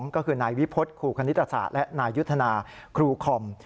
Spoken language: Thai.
ก็คือนายวิพฤษครูคณิตศาสตร์และนายยุทธนาครูคอม